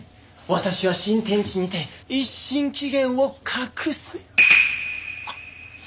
「私は新天地にて一新紀元を画す」。